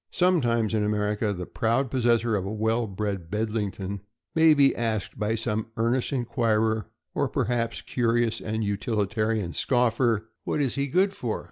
Sometimes in America the proud possessor of a well bred Bedlington may be asked by some earnest inquirer, or per haps curious and utilitarian scoffer, "What is he good for?"